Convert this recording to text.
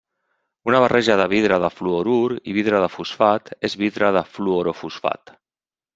Una barreja de vidre de fluorur i vidre de fosfat és vidre de fluorofosfat.